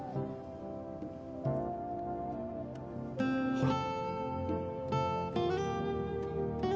ほら。